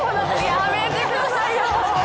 やめてくださいよ！